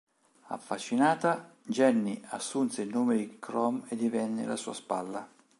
Affascinata, Jenny assunse il nome di Chrome e divenne la sua spalla.